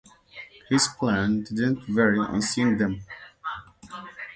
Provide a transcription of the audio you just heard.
His plan did not vary on seeing them.